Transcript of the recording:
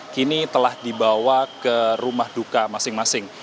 kini telah dibawa ke rumah duka masing masing